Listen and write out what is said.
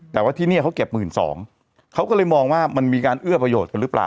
แต่ว่าที่นี่เขาเก็บหมื่นสองเขาก็เลยมองว่ามันมีการเอื้อประโยชน์กันหรือเปล่า